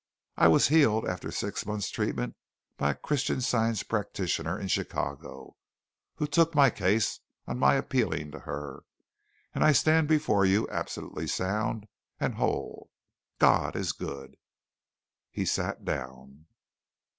I was healed after six months' treatment by a Christian Science practitioner in Chicago, who took my case on my appealing to her, and I stand before you absolutely sound and whole. God is good." He sat down.